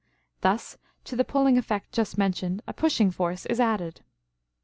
Thus, to the pulling effect just mentioned, a pushing force is added.